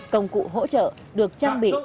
công cụ hỗ trợ được trang bị